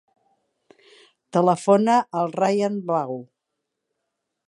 Telefona al Rayan Bau.